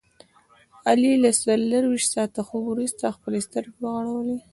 علي له څلوریشت ساعته خوب ورسته خپلې سترګې وغړولې.